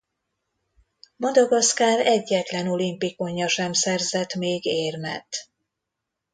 Madagaszkár egyetlen olimpikonja sem szerzett még érmet.